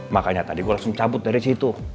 makanya tadi gue langsung cabut dari situ